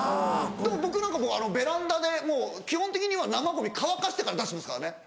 僕なんかベランダで基本的には生ゴミ乾かしてから出してますからね。